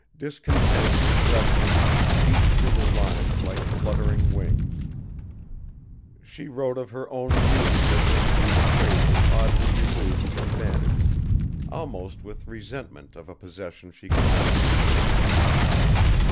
Discontent and restlessness beat through the lines like fluttering wings. She wrote of her own beauty with a cool appraisal oddly removed from vanity, almost with resentment of a possession she could not use.